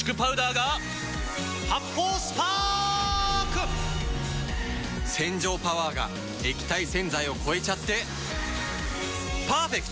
発泡スパーク‼洗浄パワーが液体洗剤を超えちゃってパーフェクト！